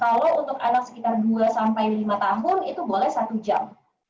kalau untuk anak sekitar dua sampai lima tahun itu boleh satu jam